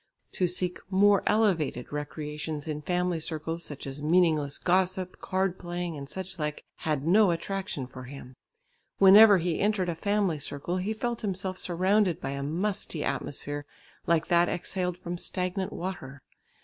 To seek "more elevated" recreations in family circles such as meaningless gossip, card playing and such like had no attraction for him. Whenever he entered a family circle he felt himself surrounded by a musty atmosphere like that exhaled from stagnant water.